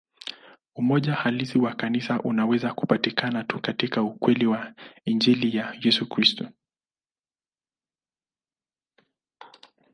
Umoja halisi wa Kanisa unaweza kupatikana tu katika ukweli wa Injili ya Yesu Kristo.